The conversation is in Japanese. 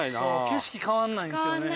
景色変わんないんですよね。